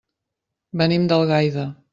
Venim d'Algaida.